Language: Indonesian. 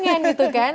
iya pengen gitu kan